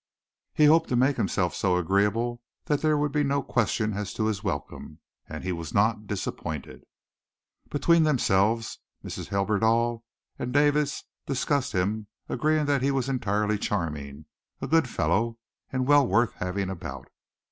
He hoped to make himself so agreeable that there would be no question as to his welcome, and he was not disappointed. Between themselves Mrs. Hibberdell and Davis discussed him, agreeing that he was entirely charming, a good fellow, and well worth having about.